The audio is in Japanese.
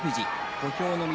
小兵の翠